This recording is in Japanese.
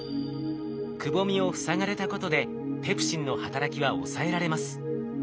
くぼみを塞がれたことでペプシンの働きは抑えられます。